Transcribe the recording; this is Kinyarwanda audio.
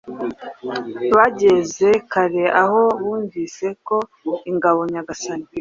Bageze kare aho bumvise ko ingabo-nyagasani